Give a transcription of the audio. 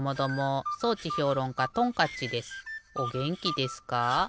おげんきですか？